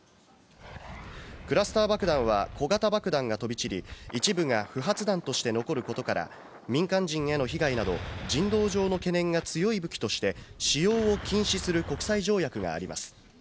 クラスター爆弾は小型爆弾が飛び散り、一部が不発弾として残ることから、民間人への被害など、人道上の懸念が強い武器として使用を禁止する国際条約があります。